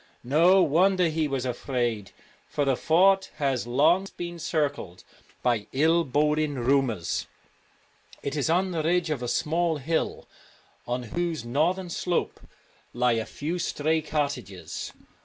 No wonder he was afraid, for the fort has long been circled by ill boding rumours. It is on the ridge of a small hill, on whose northern slope lie a few stray cottages.